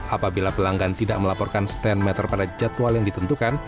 apabila pelanggan tidak melaporkan stand meter pada jadwal yang ditentukan